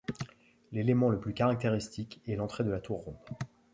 L'élément le plus caractéristique est l’entrée de la tour ronde.